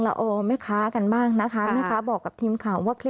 แล้วควรจะเห็นตัว